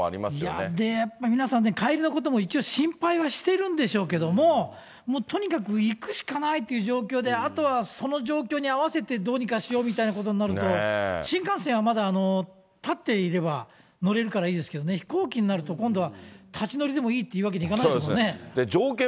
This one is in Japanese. いや、やっぱり皆さんね、帰りのことも一応、心配はしてるんでしょうけども、もうとにかく行くしかないという状況で、あとはその状況に合わせてどうにかしようみたいなことになると、新幹線はまだ、立っていれば乗れるからいいですけどね、飛行機になると今度は立ち乗りでもいいっていうわけにはいかない条件